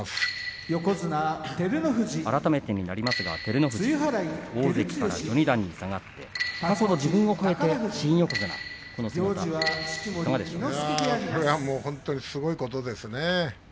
改めてになりますが、照ノ富士大関から序二段に下がって過去の自分を超えて新横綱これはすごいことですね。